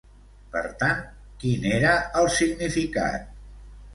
Per tant, quin era el significat?